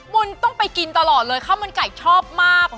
บุญต้องไปกินตลอดเลยข้าวมันไก่ชอบมาก